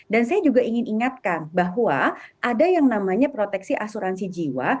dan saya juga ingin ingatkan bahwa ada yang namanya proteksi asuransi jiwa